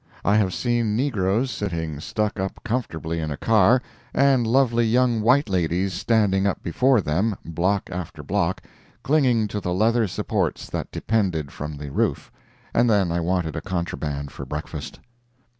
I have seen negroes sitting stuck up comfortably in a car, and lovely young white ladies standing up before them, block after block, clinging to the leather supports that depended from the roof. And then I wanted a contraband for breakfast.